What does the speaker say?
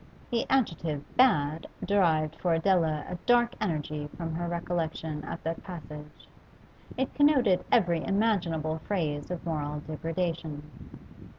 The adjective 'bad' derived for Adela a dark energy from her recollection of that passage; it connoted every imaginable phase of moral degradation.